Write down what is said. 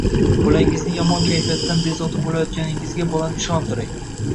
Bolangizning yomon kayfiyatidan bezovta bo‘layotganligingizga bolani ishontiring.